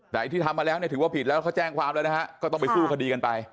แต่ไอ้ที่ทำมาแล้วเนี่ยถือว่าผิดแล้วเขาแจ้งความแล้วนะฮะก็ต้องไปสู้คดีกันไป